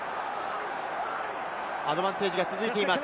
アドバンテージが続いています。